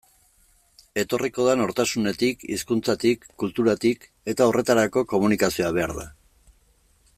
Etorriko da nortasunetik, hizkuntzatik, kulturatik, eta horretarako komunikazioa behar da.